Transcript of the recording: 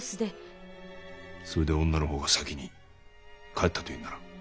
それで女の方が先に帰ったというんだな？